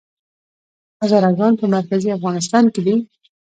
هزاره ګان په مرکزي افغانستان کې دي؟